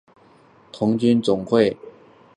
缅甸童军总会为缅甸的国家童军组织。